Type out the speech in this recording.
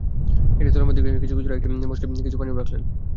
একটি থলের মধ্যে কিছু খেজুর ও একটি মশকে কিছু পানিও রাখলেন।